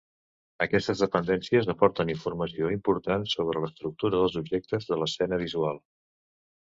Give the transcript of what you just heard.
Aquestes dependències aporten informació important sobre l'estructura dels objectes de l'escena visual.